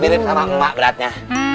piring sama emak beratnya